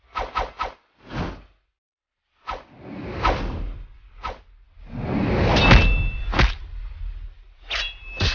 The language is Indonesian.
jangan lupa untuk berlangganan